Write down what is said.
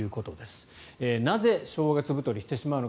なぜ、正月太りしてしまうのか。